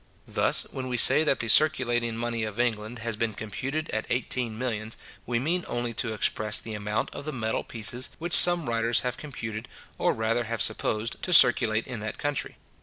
Thus, when we say that the circulating money of England has been computed at eighteen millions, we mean only to express the amount of the metal pieces, which some writers have computed, or rather have supposed, to circulate in that country.